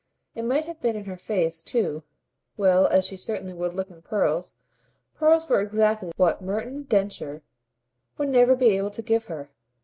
It might have been in her face too that, well as she certainly would look in pearls, pearls were exactly what Merton Densher would never be able to give her.